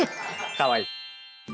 かわいい。